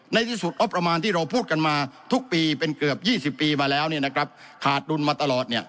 ในที่สุดงบประมาณที่เราพูดกันมาทุกปีเป็นเกือบ๒๐ปีมาแล้วขาดดุลมาตลอด